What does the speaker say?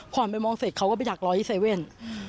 ผ่อนไปมองเสร็จเขาก็ไปอยากรอที่เซเว่น